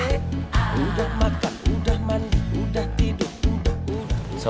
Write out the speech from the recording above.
udah makan udah mandi udah tidur udah udah